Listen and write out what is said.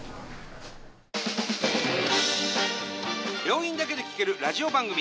病院だけで聴けるラジオ番組。